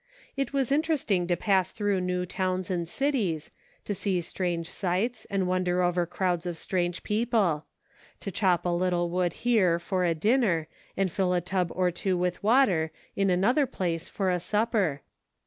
It was interesting to pass through new towns and cities, to see strange sights, and wonder over crowds of strange people ; to chop a little wood here, for a dinner, and fill a tub or two with water, in another place for a supper.